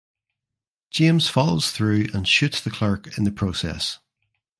James follows through and shoots the clerk in the process.